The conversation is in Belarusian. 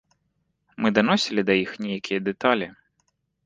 Мы даносілі да іх нейкія дэталі.